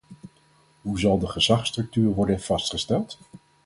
Hoe zal de gezagsstructuur worden vastgesteld?